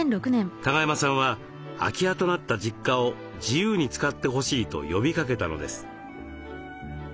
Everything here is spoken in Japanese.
加賀山さんは空き家となった実家を自由に使ってほしいと呼びかけたのです。